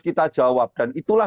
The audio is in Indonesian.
kita jawab dan itulah